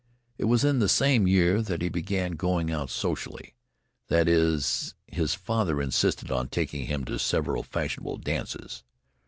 It was in that same year that he began "going out socially" that is, his father insisted on taking him to several fashionable dances.